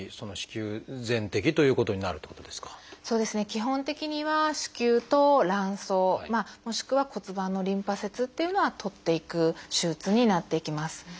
基本的には子宮と卵巣もしくは骨盤のリンパ節っていうのは取っていく手術になっていきます。